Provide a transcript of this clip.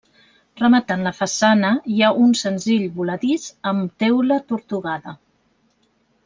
Rematant la façana hi ha un senzill voladís amb teula tortugada.